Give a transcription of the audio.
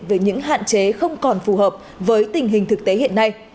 về những hạn chế không còn phù hợp với tình hình thực tế hiện nay